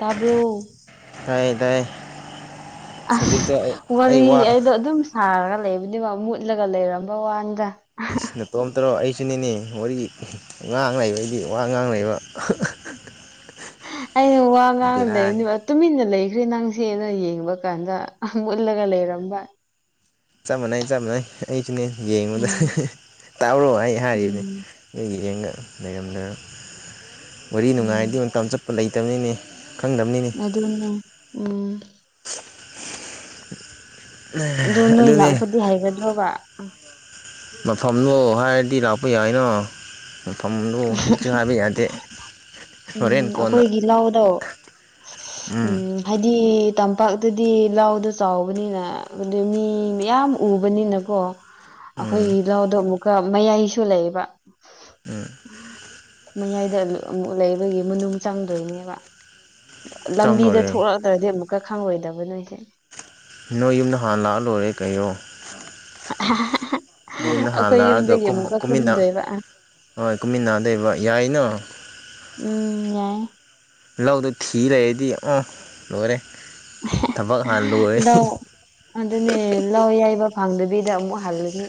ꯇꯥꯕ꯭ꯔꯣ ꯇꯥꯏꯌꯦ ꯇꯥꯏꯌꯦ ꯑꯁ ꯍꯧꯖꯤꯛꯇꯣ ꯑꯩ ꯑꯩ ꯋꯥꯔꯤ ꯋꯥ ꯑꯩꯗꯣ ꯑꯗꯨꯝ ꯁꯥꯔꯒ ꯂꯩꯕꯅꯦꯕ ꯃꯨꯠꯂꯒ ꯂꯩꯔꯝꯕ ꯋꯥꯟꯗ ꯏꯁ ꯅꯇꯣꯝꯇꯔꯣ ꯑꯩꯁꯨꯅꯤꯅꯦ ꯋꯥꯔꯤ ꯉꯥꯡ ꯂꯩꯕꯒꯤ ꯋꯥ ꯉꯥꯡ ꯂꯩꯕ ꯑꯩꯅ ꯋꯥ ꯉꯥꯡ ꯕꯦꯔꯥꯅꯤ ꯂꯩꯕꯅꯦꯕ ꯇꯨꯃꯤꯟꯅ ꯂꯩꯈ꯭ꯔꯦ ꯅꯪꯁꯦꯅ ꯌꯦꯡꯕꯀꯥꯟꯗ ꯃꯨꯠꯂꯒ ꯂꯩꯔꯝꯕ ꯆꯞ ꯃꯥꯟꯅꯩ ꯆꯞ ꯃꯥꯟꯅꯩ ꯑꯩꯁꯨꯅꯦ ꯌꯦꯡꯕꯗ ꯎꯝ ꯇꯥꯕ꯭ꯔꯣ ꯑꯩ ꯍꯥꯏꯔꯤꯕꯅꯦ ꯎꯝ ꯑꯩ ꯌꯦꯡꯒ ꯂꯩꯔꯝꯗ ꯋꯥꯔꯤ ꯅꯨꯡꯉꯥꯏꯗꯤ ꯎꯝ ꯃꯇꯝ ꯆꯠ ꯂꯩꯇꯕꯅꯤꯅꯦ ꯈꯪꯗꯕꯅꯤ ꯑꯗꯨꯅ ꯎꯝ ꯑꯗꯨ ꯅꯣꯏ ꯑꯗꯨꯅꯦ ꯂꯥꯛꯄꯗꯤ ꯍꯩꯒꯗ꯭ꯔꯣꯕ ꯃꯐꯝꯗꯣ ꯍꯥꯏꯔꯗꯤ ꯂꯥꯛꯄ ꯌꯥꯏꯅꯣ ꯃꯐꯝꯗꯣ ꯏꯛꯖꯦꯛ ꯍꯥꯏꯕ ꯌꯥꯗꯦ ꯍꯣꯔꯦꯟ ꯎꯝ ꯀꯣꯟꯅ ꯑꯈꯣꯏꯒꯤ ꯂꯧꯗꯣ ꯎꯝ ꯍꯥꯏꯗꯤ ꯇꯝꯄꯥꯛꯇꯗꯤ ꯂꯥꯎꯗꯣ ꯆꯥꯎꯕꯅꯤꯅ ꯑꯗꯨ ꯃꯤ ꯃꯌꯥꯝ ꯎꯕꯅꯤꯅꯀꯣ ꯎꯝ ꯑꯈꯣꯏꯒꯤ ꯂꯧꯗꯣ ꯑꯃꯨꯛꯀ ꯃꯌꯥꯏꯁꯨ ꯂꯩꯕ ꯎꯝ ꯃꯌꯥꯏꯗ ꯂ ꯑꯃꯨꯛ ꯂꯩꯕꯒꯤ ꯃꯅꯨꯡ ꯆꯪꯗꯣꯏꯅꯦꯕ ꯆꯪ ꯂꯝꯕꯤꯗ ꯂꯣꯏꯔꯦ ꯊꯣꯛꯂꯛꯇ꯭ꯔꯗꯤ ꯑꯃꯨꯛꯀ ꯈꯪꯂꯣꯏꯗꯕ ꯅꯣꯏꯁꯦ ꯅꯣꯏ ꯌꯨꯝꯗ ꯍꯥꯟꯅ ꯂꯥꯛꯑ ꯂꯣꯏꯔꯦ ꯀꯩꯔꯣ ꯅꯌꯨꯝꯗ ꯍꯥꯟꯅ ꯑꯩꯈꯣꯏ ꯂꯥꯛꯑꯒ ꯌꯨꯝꯗꯒꯤ ꯀꯨꯝꯃ ꯑꯃꯨꯛꯀ ꯀꯨꯝꯃꯤꯟꯅ ꯀꯨꯝꯗꯣꯏꯕ ꯍꯣꯏ ꯀꯨꯃꯤꯟꯅꯗꯩꯕ ꯌꯥꯏꯅꯣ ꯎꯝ ꯌꯥꯏ ꯂꯧꯗꯣ ꯊꯤꯔꯗꯤ ꯎꯪ ꯂꯣꯏꯔꯦ ꯊꯕꯛ ꯍꯥꯟꯅ ꯂꯣꯏꯔꯦ ꯂꯧ ꯑꯗꯨꯅꯦ ꯂꯧ ꯌꯩꯕ ꯐꯪꯗꯕꯤꯗ ꯑꯃꯨꯛ ꯍꯜꯂꯅꯤ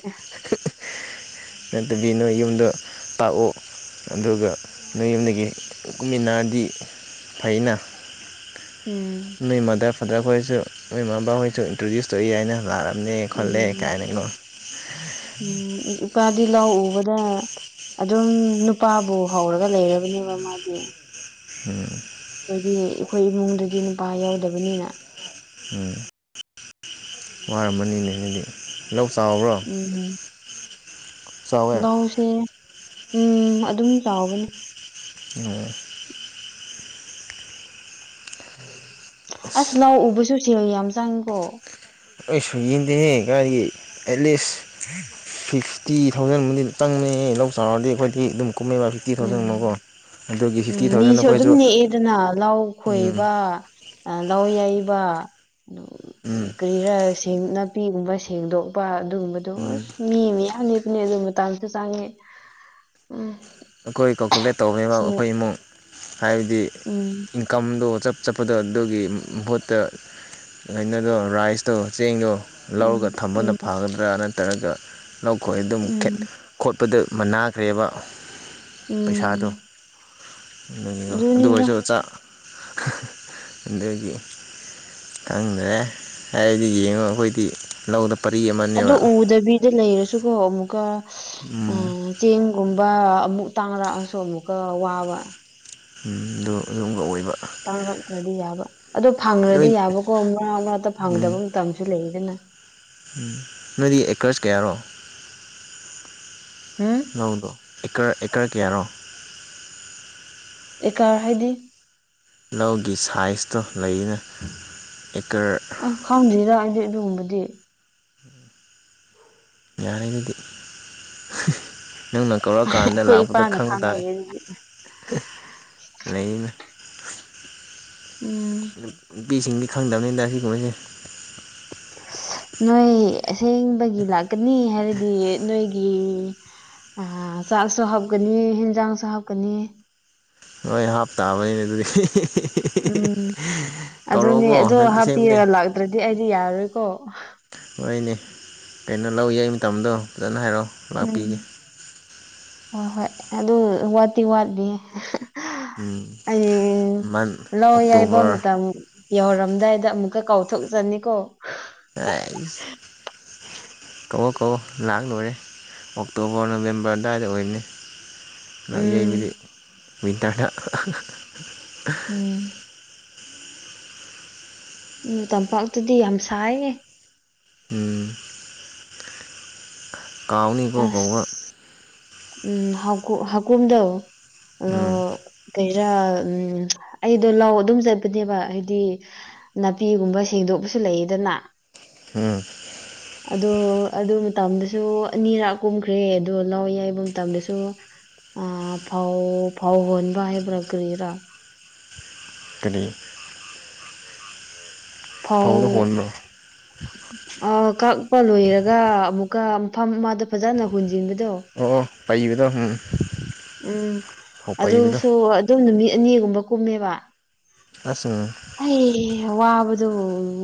ꯅꯇꯕꯤ ꯅꯣꯏ ꯌꯨꯝꯗꯣ ꯇꯥꯛꯑꯣ ꯑꯗꯨꯒ ꯅꯣꯏ ꯌꯨꯝꯗꯒꯤ ꯀꯨꯃꯤꯟꯅꯔꯗꯤ ꯐꯩꯅ ꯎꯝ ꯅꯣꯏ ꯃꯥꯗꯔ ꯐꯥꯗꯔ ꯈꯣꯏꯁꯨ ꯅꯣꯏ ꯃꯕꯥꯍꯣꯏꯁꯨ ꯏꯟꯇ꯭ꯔꯣꯗ꯭ꯌꯨꯁ ꯇꯧꯏ ꯍꯥꯏꯅ ꯂꯥꯛꯑ ꯑꯅꯦ ꯈꯣꯠꯂꯦ ꯎꯝ ꯀꯥꯏꯅꯀꯣ ꯎꯝ ꯏꯄꯥꯗꯤ ꯂꯜ ꯎꯕꯗ ꯑꯗꯨꯝ ꯅꯨꯄꯥꯕꯨ ꯍꯧꯔꯒ ꯂꯩꯔꯕꯅꯦꯕ ꯃꯥꯗꯤ ꯎꯝ ꯑꯩꯈꯣꯏꯗꯤ ꯑꯩꯈꯣꯏ ꯏꯃꯨꯡꯗꯗꯤ ꯅꯨꯄꯥ ꯌꯥꯎꯗꯕꯅꯤꯅ ꯎꯝ ꯋꯥꯔꯝꯃꯅꯤꯅꯦ ꯍꯥꯏꯗꯤ ꯂꯧ ꯆꯥꯎꯕ꯭ꯔꯣ ꯎꯝ ꯆꯥꯎꯋꯦ ꯂꯧꯁꯦ ꯎꯝ ꯑꯗꯨꯝ ꯆꯥꯎꯕꯅꯤ ꯑꯣ ꯑꯁ ꯂꯧ ꯎꯕꯁꯨ ꯁꯦꯜ ꯌꯥꯝ ꯆꯪꯉꯤꯀꯣ ꯑꯩꯁ ꯌꯦꯡꯗꯦꯍꯦ ꯀꯥꯏꯒꯤ ꯑꯦꯠꯂꯤꯁ ꯁꯤꯛꯁꯇꯤ ꯊꯥꯎꯖꯟꯕꯨꯗꯤ ꯆꯪꯕꯃꯦꯍꯦ ꯂꯧ ꯆꯥꯎꯔꯗꯤ ꯑꯩꯈꯣꯏꯗꯤ ꯑꯗꯨꯝ ꯀꯨꯝꯃꯦꯕ ꯎꯝ ꯊꯥꯎꯖꯟꯃꯨꯛꯀꯣ ꯑꯗꯨꯒꯤ ꯐꯤꯐꯇꯤ ꯎꯝ ꯊꯥꯎꯖꯟ ꯃꯤꯁꯨ ꯑꯗꯨꯝ ꯑꯩꯈꯣꯏꯁꯨ ꯅꯦꯛꯑꯦꯗꯅ ꯂꯥꯎ ꯎꯝ ꯈꯣꯏꯕ ꯑ ꯂꯧ ꯌꯩꯕ ꯎꯝ ꯀꯔꯤꯔꯥ ꯅꯥꯄꯤꯒꯨꯝꯕ ꯁꯦꯡꯗꯣꯛꯄ ꯑꯗꯨꯒꯨꯝꯕꯗꯣ ꯎꯝ ꯑꯁ ꯃꯤ ꯃꯌꯥꯝ ꯅꯦꯛꯄꯅꯦ ꯑꯗꯨ ꯃꯇꯝꯁꯨ ꯆꯪꯉꯦ ꯎꯝ ꯑꯩꯈꯣꯏ ꯀꯣꯀꯨꯂꯦꯠ ꯇꯧꯅꯩꯕ ꯁꯤ ꯑꯩꯈꯣꯏ ꯏꯃꯨꯡ ꯍꯥꯏꯕꯗꯤ ꯎꯝ ꯀꯝꯗꯣ ꯆꯞ ꯆꯠꯄꯗꯣ ꯑꯗꯨꯒꯤ ꯃꯍꯨꯠꯇ ꯅꯩꯅꯗꯣ ꯔꯥꯏꯁꯇꯣ ꯆꯦꯡꯗꯣ ꯂꯧꯒ ꯎꯝ ꯊꯝꯕꯅ ꯎꯝ ꯐꯒꯗ꯭ꯔꯥ ꯅꯠꯇ꯭ꯔꯒ ꯂꯧꯈꯣꯏ ꯑꯗꯨꯝ ꯎꯝ ꯈꯦꯠꯅꯩ ꯈꯣꯠꯄꯗ ꯃꯅꯥꯈ꯭ꯔꯦꯕ ꯄꯩꯁꯥꯗꯣ ꯎꯝ ꯑꯗꯨꯅꯤꯗ ꯑꯗꯨꯑꯣꯏꯔꯁꯨ ꯆꯥꯛ ꯑꯗꯒꯤ ꯈꯪꯗꯦ ꯍꯥꯏꯗꯤ ꯌꯦꯡꯉꯣ ꯑꯩꯈꯣꯏꯗꯤ ꯂꯧꯗ ꯄꯔꯤ ꯑꯗꯨ ꯑꯃꯅꯦꯕ ꯎꯗꯕꯤꯗ ꯂꯩꯔꯁꯨꯀꯣ ꯑꯃꯨꯛꯀ ꯎꯝ ꯆꯦꯡꯒꯨꯝꯕ ꯑꯃꯨꯛ ꯇꯥꯡꯅꯔꯛꯑꯁꯨ ꯑꯃꯨꯛꯀ ꯋꯥꯕ ꯎ ꯑꯗꯨ ꯑꯗꯨꯒ ꯑꯣꯏꯕ ꯇꯪꯛꯉꯛꯇ꯭ꯔꯗꯤ ꯌꯥꯕ ꯑꯗꯣ ꯐꯪꯉ꯭ꯔꯗꯤ ꯅꯣꯏ ꯌꯥꯕꯀꯣ ꯃꯔꯥ ꯃꯔꯛꯇ ꯐꯪꯗꯕ ꯃꯇꯝꯁꯨ ꯂꯩꯗꯅ ꯎꯝ ꯅꯣꯏꯗꯤ ꯑꯦꯀ꯭ꯔꯁ ꯀꯌꯥꯔꯣ ꯎꯝ ꯅꯪꯗꯣ ꯑꯦꯀꯔ ꯑꯦꯀꯔ ꯀꯌꯥꯅꯣ ꯑꯦꯀꯥꯔ ꯍꯥꯏꯗꯤ ꯂꯧꯒꯤ ꯁꯥꯏꯖꯇꯣ ꯂꯩꯅ ꯑꯦꯀꯔ ꯈꯪꯗ꯭ꯔꯤꯔ ꯑꯩꯗꯤ ꯑꯗꯨꯒꯨꯝꯕꯗꯤ ꯌꯥꯔꯦ ꯑꯗꯨꯗꯤ ꯅꯪꯅ ꯀꯧꯔꯛꯑꯀꯥꯟꯗ ꯑꯩꯈꯣꯏ ꯂꯥꯛꯄꯗ ꯏꯄꯥꯅ ꯈꯪꯕ ꯇꯥꯏ ꯈꯪꯍꯜꯂꯦ ꯑꯗꯨꯗꯤ ꯂꯩꯅ ꯎꯝ ꯅꯨꯄꯤꯁꯤꯡꯗꯤ ꯈꯪꯗꯝꯕꯅꯤꯗ ꯁꯤꯒꯨꯝꯕꯁꯦ ꯅꯣꯏ ꯑꯁꯦꯡꯕꯒꯤ ꯂꯥꯛꯀꯅꯤ ꯍꯥꯏꯔꯗꯤ ꯅꯣꯏꯒꯤ ꯑ ꯆꯥꯛꯁꯨ ꯍꯥꯞꯀꯅꯤ ꯍꯦꯟꯖꯥꯡꯁꯨ ꯍꯥꯞꯀꯅꯤ ꯃꯣꯏ ꯍꯥꯞꯇꯥꯥꯕꯩꯅꯦ ꯑꯗꯨꯗꯤ ꯎꯝ ꯑꯗꯨꯅꯦ ꯀꯧꯔꯛꯑꯣꯀꯣ ꯑꯗꯣ ꯅꯠ ꯑꯁꯦꯡꯕꯅꯦ ꯍꯥꯞꯄꯤꯔ ꯂꯥꯛꯇ꯭ꯔꯗꯤ ꯑꯩꯗꯤ ꯌꯥꯔꯔꯣꯏꯀꯣ ꯍꯣꯏꯅꯦ ꯀꯩꯅꯣ ꯂꯧ ꯌ ꯃꯇꯝꯗꯣ ꯐꯖꯅ ꯍꯥꯏꯔꯛꯑꯣ ꯎꯝ ꯂꯥꯛꯄꯤꯒꯦ ꯍꯣꯏ ꯍꯣꯏ ꯑꯗꯨ ꯋꯥꯠꯇꯤ ꯋꯥꯠꯂꯤ ꯎꯝ ꯍꯌꯦꯡ ꯃꯟ ꯂꯧ ꯌꯥꯏꯕ ꯑꯣꯛꯇꯣꯕꯔ ꯃꯇꯝ ꯌꯧꯍꯧꯔꯝꯗꯥꯏꯗ ꯑꯃꯨꯛꯀ ꯀꯥꯎꯊꯣꯛꯆꯅꯤꯀꯣ [unintelligible] ꯀꯧꯋ‌ꯣ ꯀꯧꯋ‌ꯣ ꯂꯥꯛ ꯂꯣꯏꯔꯦ ꯑꯣꯛꯇꯣꯕꯔ ꯅꯕꯦꯝꯕꯔ ꯑꯗꯨꯋꯥꯏꯗ ꯑꯣꯏꯅꯤ ꯅꯪꯒꯤ ꯎꯝ ꯍꯧꯖꯤꯛ ꯃꯤꯇꯔ ꯍ‌ꯦꯛ ꯎꯝ ꯇꯝꯄꯥꯛꯇꯨꯗꯤ ꯌꯥꯝ ꯁꯥꯏꯌꯦ ꯎꯝ ꯀꯥꯎꯅꯤ ꯑꯁ ꯎꯝ ꯍꯥꯎꯀꯨꯝ ꯍꯥꯀꯨꯨꯝꯗ ꯂꯧ ꯎꯝ ꯀꯩꯔꯥ ꯎꯝ ꯑꯩꯗꯣ ꯂꯥꯎ ꯑꯗꯨꯝ ꯆꯠꯄꯅꯦꯕ ꯍꯥꯏꯗꯤ ꯅꯥꯄꯤꯒꯨꯝꯕ ꯁꯦꯡꯗꯣꯛꯄꯁꯨ ꯂꯩꯌꯦꯗꯅ ꯎꯝ ꯑꯗꯣ ꯑꯗꯨ ꯃꯇꯝꯗꯁꯨ ꯑꯅꯤꯔꯛ ꯀꯨꯝꯈ꯭ꯔꯦ ꯑꯗꯣ ꯅꯥꯎ ꯌꯥꯏꯕ ꯃꯇꯝꯗꯁꯨ ꯑ ꯐꯧ ꯐꯧ ꯍꯣꯟꯕ ꯍꯥꯏꯕ꯭ꯔꯥ ꯀ꯭ꯔꯤꯔꯥ ꯀꯔꯤ ꯐꯧꯗꯣ ꯐꯧ ꯍꯣꯟꯕ꯭ꯔꯣ ꯑ ꯀꯛꯄ ꯂꯣꯏꯔꯒ ꯑꯃꯨꯛꯀ ꯃꯐꯝ ꯑꯃꯗ ꯐꯖꯅ ꯍꯨꯟꯖꯤꯟꯕꯗꯣ ꯑꯣ ꯄꯩꯕꯗꯣ ꯎꯝ ꯎꯝ ꯐꯧ ꯄꯩꯕꯗꯣ ꯑꯗꯨꯁꯨ ꯑꯗꯨꯝ ꯅꯨꯃꯤꯠ ꯑꯅꯤꯒꯨꯝꯕ ꯀꯨꯝꯃꯦꯕ ꯑꯁ ꯎꯝ ꯍ ꯋꯥꯕꯗꯣ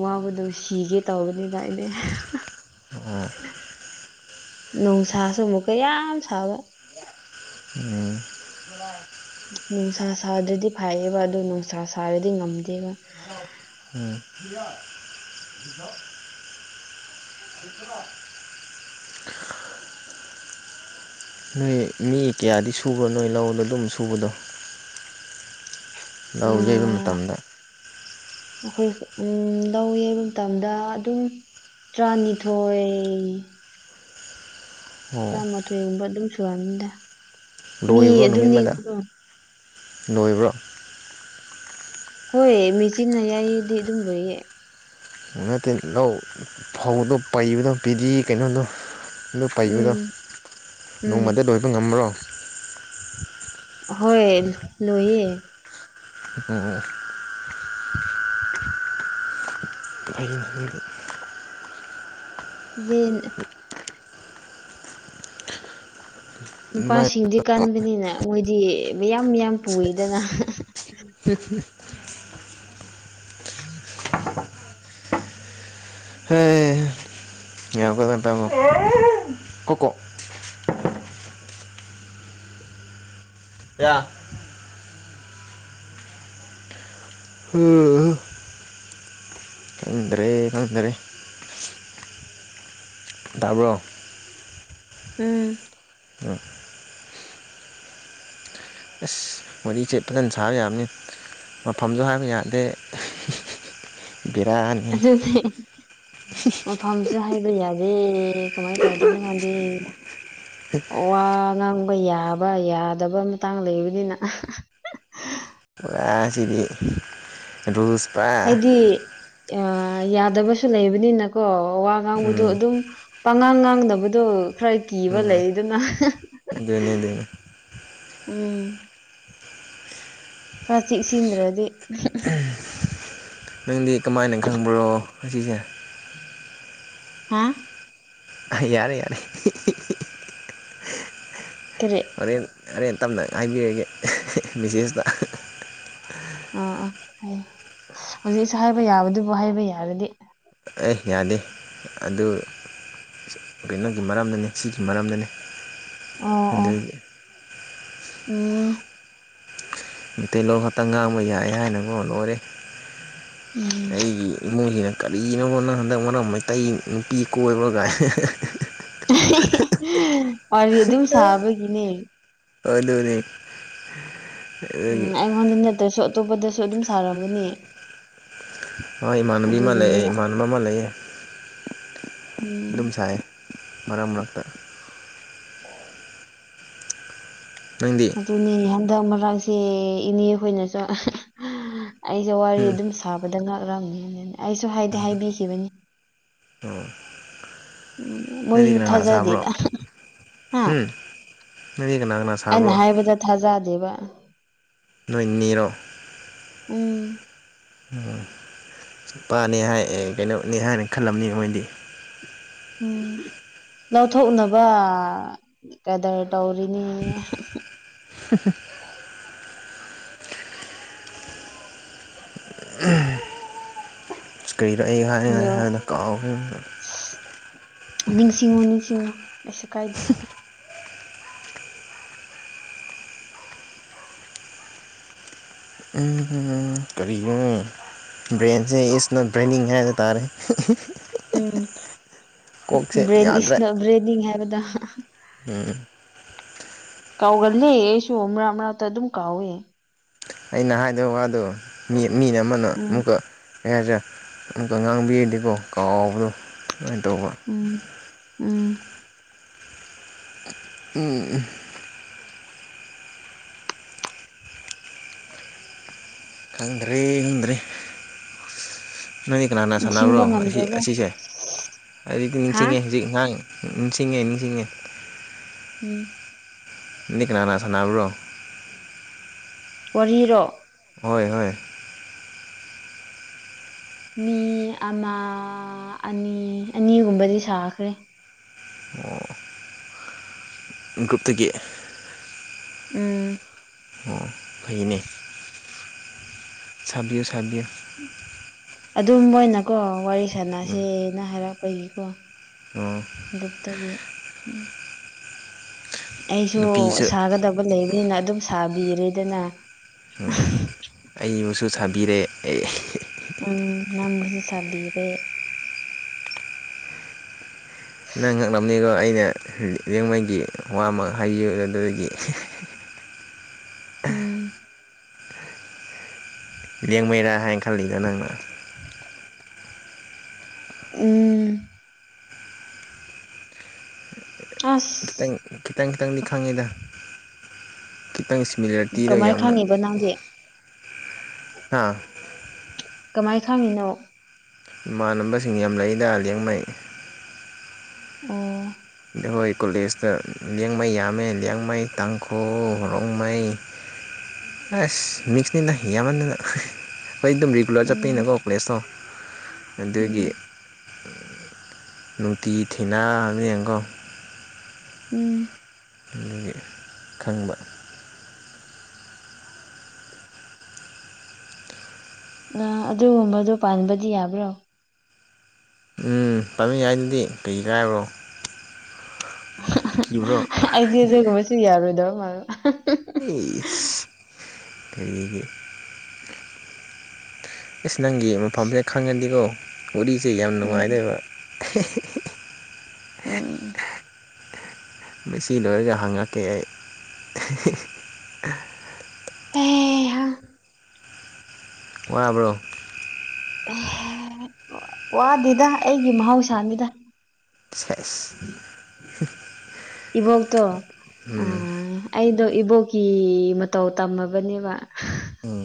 ꯋꯥꯕꯗꯣ ꯁꯤꯒꯦ ꯇꯧꯕꯅꯤꯗ ꯑꯩꯗꯤ ꯑꯣ ꯅꯨꯡꯁꯥꯁꯨ ꯑꯃꯨꯛꯀ ꯌꯥꯝ ꯁꯥꯕ ꯎꯝ ꯅꯨꯡꯁꯥ ꯁꯥꯗ꯭ꯔꯗꯤ ꯐꯩꯌꯦꯕ ꯑꯗꯨ ꯅꯨꯡꯁꯥ ꯁꯥꯔꯗꯤ ꯉꯝꯗꯦꯕ ꯅ‌ꯣꯏ ꯃꯤ ꯀꯌꯥꯗꯤ ꯁꯨꯕ꯭ꯔꯣ ꯅꯣꯏ ꯂꯧꯗꯣ ꯑꯗꯨꯝ ꯁꯨꯕꯗꯣ ꯂꯧ ꯌꯩꯕ ꯑꯥ ꯃꯇꯝꯗ ꯑꯩꯈꯣꯏ ꯎꯝ ꯂꯧ ꯌꯡꯕ ꯃꯇꯝꯗ ꯑꯗꯨꯝ ꯇꯔꯥꯅꯤꯊꯣꯏ ꯑꯣ ꯇꯔꯥꯃꯥꯊꯣꯏꯒꯨꯝꯕ ꯑꯗꯨꯝ ꯁꯨꯔꯛꯑꯅꯤꯗ ꯃꯤ ꯑꯗꯨꯝ ꯅꯦꯛꯄꯗꯣ ꯂ‌ꯣꯏꯕ꯭ꯔꯣ ꯍꯣꯏ ꯃꯦꯆꯤꯟꯅ ꯌꯩꯗꯤ ꯑꯗꯨꯝ ꯂꯣꯏꯌꯦ ꯅꯠꯇꯦ ꯂꯧ ꯐꯧꯗꯣ ꯄꯩꯕꯗꯣ ꯄꯤꯗꯤ ꯀꯩꯅꯣꯗꯣ ꯑꯗꯨ ꯄꯩꯕꯗꯣ ꯎꯝ ꯎꯝ ꯅꯣꯡꯃꯗ ꯂꯣꯏꯕ ꯉꯃ꯭ꯔꯣ ꯍꯣꯏ ꯂꯣꯏꯌꯦ ꯑꯣ ꯑꯣ ꯑꯩ ꯌ‌ꯦꯟ ꯅꯨꯄꯥꯁꯤꯡꯗꯤ ꯀꯟꯕꯅꯤꯅꯦ ꯃꯣꯏꯗꯤ ꯃꯌꯥꯝ ꯃꯌꯥꯝ ꯄꯨꯏꯗꯅ [unintelligible] ꯎꯝ ꯎꯝ ꯍꯩ [unintelligible] [inaudible] ꯀꯌꯥ ꯎꯝ ꯈꯪꯗꯔꯦ ꯈꯪꯗꯔꯦ ꯇꯕ꯭ꯔꯣ ꯎꯝ ꯎ ꯑꯁ ꯋꯥꯔꯤꯁꯦ ꯐꯖꯅ ꯁꯥꯕ ꯌꯥꯕꯅꯤ ꯃꯐꯝꯁꯨ ꯍꯥꯏꯕ ꯌꯥꯗꯦ ꯕꯤꯔꯥꯅꯤ ꯑꯗꯨꯅꯤ ꯃꯐꯝꯁꯨ ꯍꯥꯏꯕ ꯌꯥꯗꯦ ꯀꯃꯥꯏꯅ ꯇꯧꯗꯣꯏꯅꯣ ꯈꯪꯗꯦ ꯋꯥ ꯉꯥꯡꯕ ꯌꯥꯕ ꯌꯥꯗꯕ ꯃꯇꯥꯡ ꯂꯩꯕꯅꯤꯅ ꯑꯥ ꯁꯤꯗꯤ ꯑꯗꯨ ꯏꯁꯄ꯭ꯔꯥꯏ ꯍꯥꯏꯗꯤ ꯑ ꯌꯥꯗꯕꯁꯨ ꯂꯩꯕꯅꯤꯅꯀꯣ ꯋꯥ ꯉꯥꯡꯕꯗꯣ ꯎꯝ ꯑꯗꯨꯝ ꯄꯪꯉꯥꯡ ꯉꯥꯡꯅꯕꯗꯣ ꯈꯔ ꯀꯤꯕ ꯂꯩ ꯎꯝ ꯑꯗꯨꯅ ꯑꯗꯨꯅꯤ ꯑꯗꯨꯅꯤ ꯎꯝ ꯈꯔ ꯆꯦꯛ ꯁꯤꯟꯗ꯭ꯔꯗꯤ ꯅꯪꯗꯤ ꯀꯃꯥꯏꯅ ꯈꯪꯕ꯭ꯔꯣ ꯑꯁꯤꯁꯦ ꯍꯥ ꯌꯥꯔꯦ ꯌꯥꯔꯦ ꯀꯔꯤ ꯍꯣꯔꯦꯟ ꯍꯔꯦꯟ ꯇꯞꯅ ꯍꯥꯏꯕꯤꯔꯒꯦ ꯃꯦꯁꯦꯖꯇ ꯑꯥ ꯑꯥ ꯍꯣꯏꯌꯦ ꯍꯧꯖꯤꯛꯁꯨ ꯍꯥꯏꯕ ꯌꯥꯕꯗꯨꯕꯨ ꯍꯥꯏꯕ ꯌꯥꯔꯗꯤ ꯑꯦ ꯌꯥꯗꯦ ꯑꯗꯨ ꯀꯩꯅꯣꯒꯤ ꯃꯔꯝꯗꯅꯤ ꯁꯤꯒꯤ ꯃꯔꯝꯗꯅꯤ ꯑꯥ ꯑꯥ ꯑꯗꯨꯒꯤ ꯂꯩ ꯀꯩꯅꯣ ꯈꯛꯇ ꯉꯥꯡꯕ ꯌꯥꯏꯑꯦ ꯍꯥꯏꯅꯥꯀꯣ ꯂꯣꯢꯔꯦ ꯎꯝ ꯑꯩꯒꯤ ꯏꯃꯨꯡꯁꯤꯅ ꯀ ꯀꯩꯅꯣꯒꯤꯕꯥ ꯅꯪ ꯍꯟꯗꯛ ꯃꯔꯛ ꯃꯩꯇꯩ ꯅꯨꯄꯤ ꯀꯣꯏꯕꯒꯥꯏ ꯋꯥꯔꯤ ꯑꯗꯨꯝ ꯁꯥꯕꯒꯤꯅꯦ ꯑꯗꯨꯅꯤ ꯎꯝ ꯑꯗꯨꯒꯤ ꯑꯩꯉꯣꯟꯗ ꯅꯠꯇ꯭ꯔꯁꯨ ꯑꯇꯣꯞꯄꯗꯁꯨ ꯑꯗꯨꯝ ꯁꯥꯔꯝꯒꯅꯤ ꯍꯣꯏ ꯏꯃꯥꯟꯅꯕꯤ ꯑꯃ ꯂꯩꯌꯦ ꯑꯗꯨꯒꯤꯅꯦꯕ ꯏꯃꯥꯟꯅꯕ ꯑꯃ ꯂꯩꯌꯦ ꯎꯝ ꯑꯗꯨꯝ ꯁꯥꯏꯌꯦ ꯃꯔꯛ ꯃꯔꯛꯇ ꯅꯪꯗꯤ ꯑꯗꯨꯅꯦ ꯍꯟꯗꯛ ꯃꯔꯛꯁꯦ ꯏꯅꯦ ꯍꯣꯏꯅꯁꯨ ꯑꯩꯁꯦ ꯋꯥꯔꯤ ꯎꯝ ꯑꯗꯨꯝ ꯁꯥꯕꯗ ꯉꯥꯛꯂꯝꯅꯤ ꯑꯩꯁꯨ ꯍꯥꯏꯗꯤ ꯍꯥꯏꯕꯤꯈꯤꯕꯅꯤ ꯎꯝ ꯎꯝ ꯅꯪꯗꯤ ꯃꯣꯏꯁꯨ ꯀꯅꯥ ꯀꯅꯥ ꯁꯥꯕ꯭ꯔꯣ ꯊꯖꯗꯦꯗꯥ ꯍꯥ ꯅꯣꯏ ꯀꯅꯥ ꯀꯅꯥ ꯑꯩꯅ ꯁꯥꯕ꯭ꯔꯣ ꯍꯥꯏꯕꯗ ꯊꯥꯖꯗꯦꯕ ꯅꯣꯏ ꯅꯦꯔꯣ ꯎꯝ ꯎꯝ ꯅꯨꯄꯥꯅꯦ ꯍꯥꯏ ꯑꯦ ꯀꯩꯅꯣꯅꯦ ꯍꯥꯏꯅ ꯈꯜꯂꯝꯅꯤ ꯃꯣꯏꯗꯤ ꯎꯝ ꯂꯧꯊꯣꯛꯅꯕ ꯀꯦꯗꯔ ꯇꯧꯔꯤꯅꯦ [unintelligible] ꯀꯔꯤꯔ ꯑꯩꯅ ꯍꯥꯏ ꯍꯥꯏꯅ ꯀꯥꯎꯈ꯭ꯔꯦꯅꯦ ꯅꯤꯡꯁꯤꯡꯉꯣ ꯅꯤꯡꯁꯤꯡꯉꯣ ꯀꯩꯁꯨ ꯀꯥꯏꯗꯦ ꯎꯝꯝ ꯎꯝ ꯀꯔꯤꯅꯣꯍꯦ ꯕ꯭ꯔꯦꯟꯁꯦ ꯏꯁ ꯅꯣꯠ ꯕ꯭ꯔꯦꯟꯅꯤꯡ ꯍꯥꯏꯗꯣ ꯇꯥꯔꯦ ꯎꯝ ꯀꯣꯛꯁꯦ ꯕꯔꯦꯟ ꯑꯤꯁ ꯕ꯭ꯔꯦꯗꯤꯡ ꯍꯥꯏꯕꯗꯣ ꯎꯝ ꯀꯥꯎꯒꯜ ꯂꯩꯁꯨ ꯃꯔꯝ ꯃꯔꯝꯇ ꯑꯗꯨꯝ ꯀꯥꯎꯋꯦ ꯑꯩꯅ ꯍꯥꯏꯗꯧ ꯋꯥꯗꯣ ꯃꯤꯅ ꯑꯃꯅ ꯎꯝ ꯑꯃꯨꯛꯀ ꯀꯩ ꯍꯥꯢꯁꯤꯔ ꯉꯥꯡꯕꯤꯔꯗꯤꯀꯣ ꯀꯥꯎꯕꯗꯣ ꯑꯗꯨꯃꯥꯏꯅ ꯇꯧꯕ ꯎꯝ ꯎꯝ ꯎꯝ ꯎꯝ ꯈꯪꯗ꯭ꯔꯦ ꯈꯪꯗ꯭ꯔꯦ ꯅꯪꯗꯤ ꯀꯅꯥꯅꯅꯥ ꯅꯤꯡꯁꯤꯡꯕ ꯁꯥꯟꯅꯕ꯭ꯔꯣ ꯑꯁꯤ ꯉꯝꯗ꯭ꯔꯕꯣ ꯑꯁꯤꯁꯦ ꯍꯥꯏ ꯍꯥ ꯅꯤꯡꯁꯤꯡꯉꯦ ꯍꯧꯖꯤꯛ ꯉꯥꯡ ꯅꯤꯡꯁꯤꯡꯉꯦ ꯅꯤꯡꯁꯤꯡꯉꯦ ꯎꯝ ꯅꯪꯗꯤ ꯀꯅꯅꯥ ꯁꯥꯟꯅꯕ꯭ꯔꯣ ꯋꯥꯔꯤꯔꯣ ꯍꯣꯏ ꯍꯣꯏ ꯃꯤ ꯑꯃ ꯑꯅꯤ ꯑꯅꯤꯒꯨꯝꯕꯗꯤ ꯁꯥꯈ꯭ꯔꯦ ꯀ꯭ꯔꯨꯞꯇꯒꯤ ꯎꯝ ꯑꯣ ꯐꯩꯅꯦ ꯁꯥꯕꯤꯌꯨꯨ ꯁꯥꯕꯤꯌꯨ ꯑꯗꯨꯝ ꯃꯣꯏꯅꯀꯣ ꯋꯥꯔꯤ ꯁꯥꯟꯅꯁꯦꯅ ꯍꯥꯏꯔꯛꯄꯒꯤꯀꯣ ꯑꯝ ꯒ꯭ꯔꯨꯞꯇꯒꯤ ꯑꯩꯁꯨ ꯅꯨꯄꯤꯁꯨ ꯁꯥꯒꯗꯕ ꯂꯩꯕꯅꯤꯅ ꯑꯗꯨꯝ ꯁꯥꯕꯤꯔꯦꯗꯅ ꯑꯩꯕꯨꯁꯨ ꯁꯥꯕꯤꯔꯦ ꯑꯩ ꯎꯝ ꯅꯪꯕꯨꯁꯨ ꯁꯥꯕꯤꯔꯦ ꯅꯪ ꯉꯛꯑꯝꯅꯤꯒꯣ ꯑꯩꯅ ꯂꯤꯌꯥꯡꯃꯩꯒꯤ ꯋꯥ ꯑꯃ ꯍꯥꯢꯕꯤꯕꯗꯒꯤ ꯎꯝ ꯂꯦꯡꯃꯩꯔꯥ ꯍꯥꯏ ꯈꯥꯜꯂꯤꯔ ꯅꯪꯅ ꯎꯝ ꯑꯁ ꯈꯤꯇꯪ ꯈꯤꯇꯪ ꯈꯤꯇꯪꯗꯤ ꯈꯪꯉꯦꯗ ꯈꯤꯇꯪ ꯁꯤꯃꯤꯂꯔꯤꯇꯤꯗ ꯌꯥꯝꯅ [unintelligible] ꯅꯪꯗꯤ ꯍꯥꯥ ꯀꯃꯥꯏꯅ ꯈꯪꯉꯤꯅꯣ ꯏꯃꯥꯟꯅꯕꯁꯤꯡ ꯌꯥꯝ ꯂꯩꯏꯗ ꯂꯤꯌꯥꯡꯃꯩ ꯑꯣ ꯑ ꯍꯣꯏ ꯀꯣꯂꯦꯖꯇ ꯂꯤꯌꯥꯡꯃꯩ ꯌꯥꯝꯃꯦ ꯂꯤꯌꯥꯡꯃꯩ ꯇꯥꯡꯈꯨꯜ ꯔꯣꯡꯃꯩ ꯑꯦ ꯃꯤꯛꯁꯅꯤꯗ ꯌꯥꯝ ꯃꯥꯟꯗꯅ ꯑꯩꯈꯣꯏ ꯑꯗꯨꯝ ꯔꯤꯒꯨꯂꯔ ꯎꯝ ꯆꯠꯄꯅꯀꯣ ꯄ꯭ꯂꯦꯁꯇꯣ ꯑꯗꯨꯒꯤ ꯎꯝ ꯅꯨꯡꯇꯤꯒꯤ ꯊꯦꯡꯅꯕꯅꯤꯅꯒꯣ ꯎꯝ ꯑꯗꯨꯒꯤ ꯈꯪꯕ ꯑꯗꯨꯒꯨꯝꯕꯗꯣ ꯄꯥꯟꯕꯗꯤ ꯌꯥꯕ꯭ꯔꯣ ꯎꯝ ꯄꯥꯟꯕ ꯌꯥꯢꯗꯨꯗꯤ ꯀꯩ ꯀꯥꯏꯕ꯭ꯔꯣ [unintelligible] ꯀꯤꯕ꯭ꯔꯣ ꯑꯩꯗꯤ ꯑꯗꯨꯒꯨꯝꯕꯁꯨ ꯌꯥꯔꯣꯏꯗꯧ ꯃꯥꯟꯕ ꯀꯔꯤꯒꯤ ꯑꯁ ꯅꯪꯒꯤ ꯃꯐꯝꯁꯤ ꯈꯪꯉꯗꯤꯀꯣ ꯎꯔꯤꯁꯦ ꯌꯥꯝ ꯎꯝ ꯅꯨꯡꯉꯥꯏꯗꯧꯕ ꯎꯝ ꯃꯁꯤ ꯂꯣꯏꯔꯒ ꯍꯪꯉꯛꯀꯦ ꯑꯩ ꯑꯦꯍꯥ ꯍ [inaudible] ꯋꯥꯕ꯭ꯔꯣ ꯋꯥꯗꯦꯗ ꯑꯩꯒꯤ ꯃꯍꯧꯁꯥꯅꯤꯗ ꯁꯦꯁ ꯏꯕꯣꯛꯇꯣ ꯎꯝ ꯑꯥ ꯑꯩꯗꯣ ꯏꯕꯣꯛꯀꯤ ꯃꯇꯧ ꯇꯝꯃꯕꯅꯦꯕ ꯎꯝ